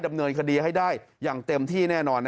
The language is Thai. ดำเนินคดีให้ได้อย่างเต็มที่แน่นอน